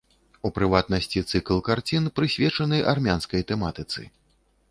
У прыватнасці цыкл карцін, прысвечаны армянскай тэматыцы.